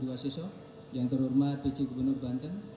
bapak kabit humas polda banten